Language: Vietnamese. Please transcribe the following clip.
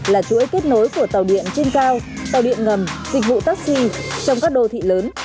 là chuỗi kết nối của tàu điện trên cao tàu điện ngầm dịch vụ taxi trong các đô thị lớn